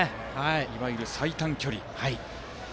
いわゆる最短距離で。